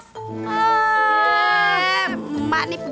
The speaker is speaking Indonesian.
masuk iman iphclass